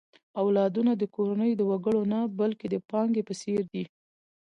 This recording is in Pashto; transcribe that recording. اولادونه د کورنۍ د وګړو نه، بلکې د پانګې په څېر دي.